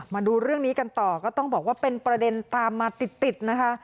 มาดูเรื่องนี้กันต่อก็ต้องบอกว่าเป็นประเด็นตามมาติดติดนะคะ